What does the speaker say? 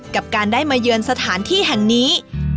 กับการได้มาเยือนสถานที่แห่งนี้